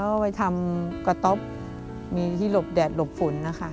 ก็ไปทำกระต๊อบมีที่หลบแดดหลบฝนนะคะ